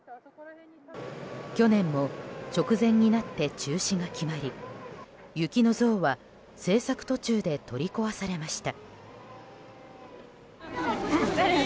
去年も直前になって中止が決まり雪の像は制作途中で取り壊されました。